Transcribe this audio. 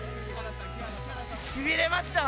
しびれました！